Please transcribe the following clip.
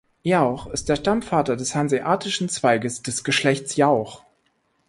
Jauch ist der Stammvater des hanseatischen Zweiges des Geschlechts Jauch.